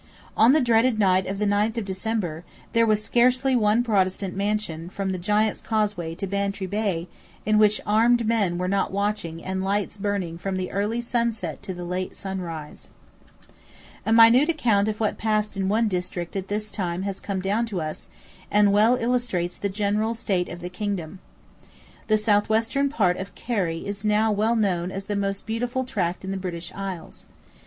On the dreaded night of the ninth of December, there was scarcely one Protestant mansion from the Giant's Causeway to Bantry Bay in which armed men were not watching and lights burning from the early sunset to the late sunrise, A minute account of what passed in one district at this time has come down to us, and well illustrates the general state of the kingdom. The south western part of Kerry is now well known as the most beautiful tract in the British isles.